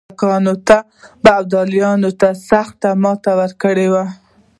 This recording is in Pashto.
سیکهان به ابدالي ته سخته ماته ورکړي.